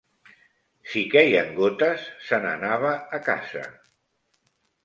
Si queien gotes se'n anava a casa.